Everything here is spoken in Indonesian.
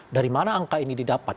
dari mana angka ini didapat